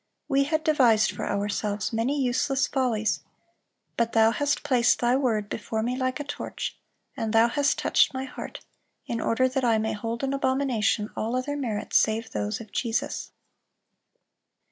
We had devised for ourselves many useless follies, but Thou hast placed Thy word before me like a torch, and Thou hast touched my heart, in order that I may hold in abomination all other merits save those of Jesus."